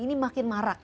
ini makin marak